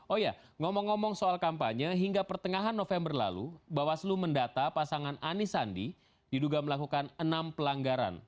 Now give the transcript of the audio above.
oh ya ngomong ngomong soal kampanye hingga pertengahan november lalu bawaslu mendata pasangan anis sandi diduga melakukan enam pelanggaran